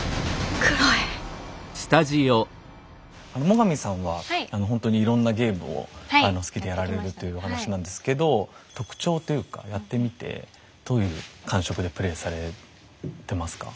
最上さんはほんとにいろんなゲームを好きでやられるっていうお話なんですけど特徴というかやってみてどういう感触でプレイされてますか？